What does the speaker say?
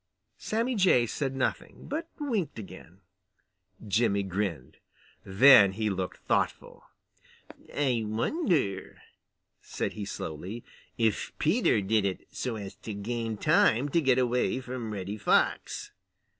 Sammy Jay said nothing, but winked again. Jimmy grinned. Then he looked thoughtful. "I wonder," said he slowly, "if Peter did it so as to gain time to get away from Reddy Fox."